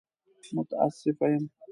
متاسفه يم!